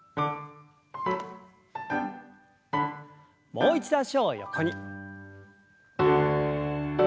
もう一度脚を横に。